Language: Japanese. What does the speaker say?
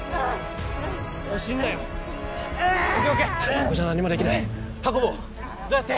ここじゃ何もできない運ぼうどうやって？